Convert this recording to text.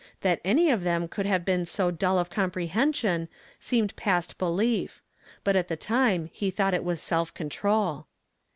That any of them could have been so dull of comprehension seemed past belief; but at the time he thought it was self control.